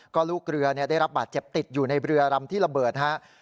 ก็ลูกเรือได้รับบาดเจ็บติดอยู่ในเรือรำที่ระเบิดครับ